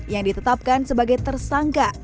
yang ditetapkan sebagai tersangka